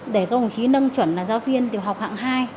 để các đồng chí nâng chuẩn là giáo viên tiểu học hạng hai